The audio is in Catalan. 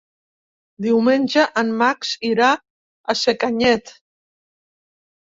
Diumenge en Max irà a Sacanyet.